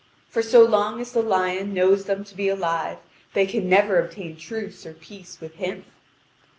For so long as the lion knows them to be alive, they can never obtain truce or peace with him.